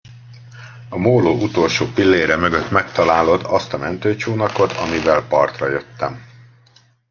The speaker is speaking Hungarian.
A móló utolsó pillére mögött megtalálod azt a mentőcsónakot, amivel partra jöttem.